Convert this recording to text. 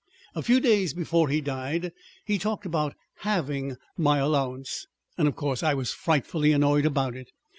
"A few days before he died he talked about halving my allowance. And, of course, I was frightfully annoyed about it.